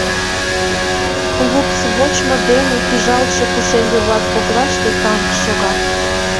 Лупс вочмо дене пӱжалтше пушеҥге-влак коклаште танк шога.